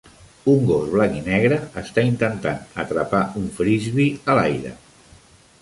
Un gos blanc i negre està intentant atrapar un frisbee a l'aire.